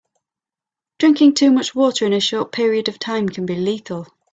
Drinking too much water in a short period of time can be lethal.